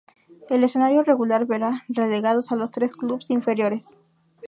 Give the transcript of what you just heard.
El escenario regular verá relegados a los tres clubes inferiores.